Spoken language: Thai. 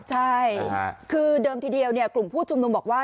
ใช่คือเดิมทีเดียวกลุ่มผู้ชุมนุมบอกว่า